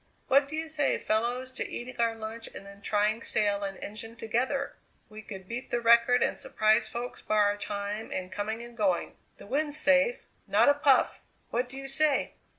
"What do you say, fellows, to eating our lunch and then trying sail and engine together? We could beat the record and surprise folks by our time in coming and going. The wind's safe; not a puff! What do you say?"